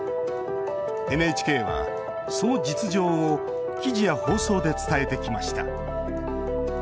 ＮＨＫは、その実情を記事や放送で伝えてきました。